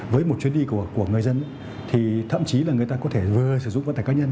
với một chuyến đi của người dân thì thậm chí là người ta có thể vừa sử dụng vật tải cá nhân